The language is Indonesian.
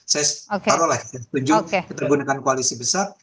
saya setuju kita gunakan koalisi besar